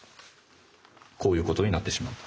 こういうことになってしまった。